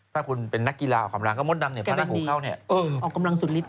ถ้าคุณเป็นนักกีฬาออกกำลังก็มดดำเนี่ยพระราหูเข้าเนี่ย